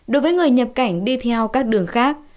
đối với người nhập cảnh đi theo các đường khác